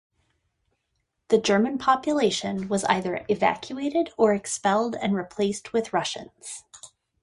The German population was either evacuated or expelled and replaced with Russians.